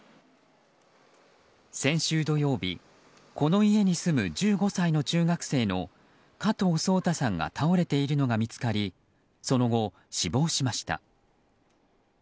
先週土曜日この家に住む１５歳の中学生の加藤颯太さんが倒れているのが見つかりその後、死亡しました。